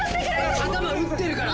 頭打ってるから！